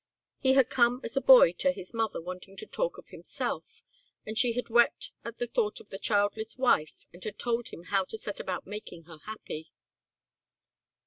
He had come as a boy to his mother wanting to talk of himself and she had wept at the thought of the childless wife and had told him how to set about making her happy.